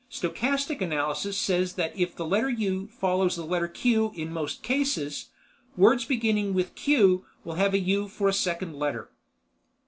Stochastic analysis says that if the letter "U" follows the letter "Q" in most cases, words beginning with "Q" will have "U" for a second letter.